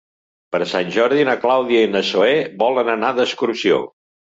Per Sant Jordi na Clàudia i na Zoè volen anar d'excursió.